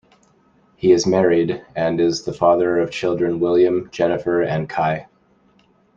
He is married, and is the father of children William, Jennifer, and Ky.